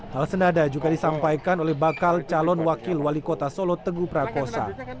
hal senada juga disampaikan oleh bakal calon wakil wali kota solo teguh prakosa